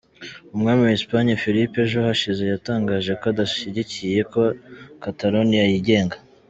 Umwami wa Espagne, Felipe, ejo hashize yatangaje ko adashyigikiye ko Catalonia yigenga.